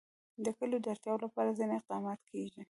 د کلیو د اړتیاوو لپاره ځینې اقدامات کېږي.